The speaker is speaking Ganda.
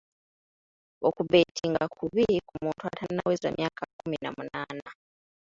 Okubetinga kubi ku muntu atannaweza myaka kkumi na munaana.